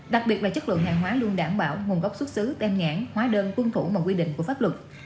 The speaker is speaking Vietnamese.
đặc biệt là chất lượng hàng hóa luôn đảm bảo nguồn gốc xuất xứ tem nhãn hóa đơn tuân thủ và quy định của pháp luật